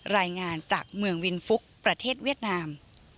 รายงานจากเมืองวินฟุกประเทศเวียดนาม